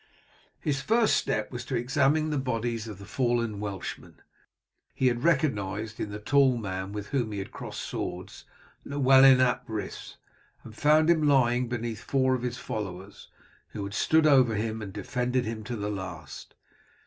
His first step was to examine the bodies of the fallen Welshmen. He had recognized in the tall man with whom he had crossed swords Llewellyn ap Rhys, and found him lying beneath four of his followers, who had stood over him and defended him to the last.